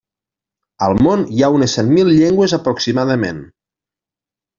Al món hi ha unes set mil llengües aproximadament.